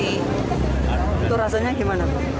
itu rasanya gimana